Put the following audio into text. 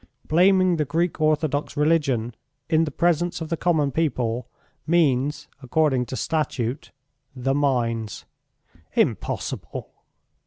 Blaming the Greek orthodox religion in the presence of the common people means, according to Statute ... the mines." "Impossible!"